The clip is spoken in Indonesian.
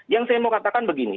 yang saya mau katakan begini